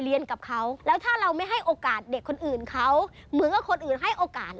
มีความสุขมีความสุขมีความสุขมีความสุขมีความสุขมีความสุข